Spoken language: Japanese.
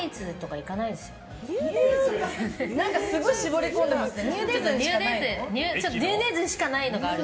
すごい絞り込んでますね。